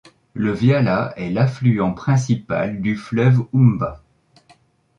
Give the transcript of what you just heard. La Viala est l'affluent principal du fleuve Oumba.